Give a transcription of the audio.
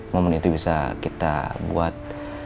momen itu bisa kita buat